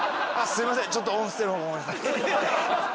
すいません。